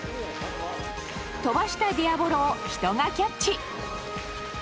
飛ばしたディアボロを人がキャッチ。